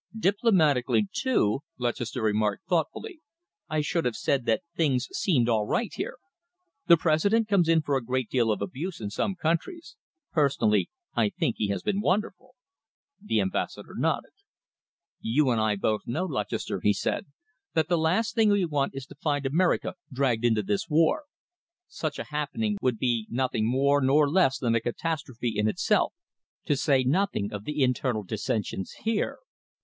"Diplomatically, too," Lutchester remarked thoughtfully, "I should have said that things seemed all right here. The President comes in for a great deal of abuse in some countries. Personally, I think he has been wonderful." The Ambassador nodded. "You and I both know, Lutchester," he said, "that the last thing we want is to find America dragged into this war. Such a happening would be nothing more nor less than a catastrophe in itself, to say nothing of the internal dissensions here.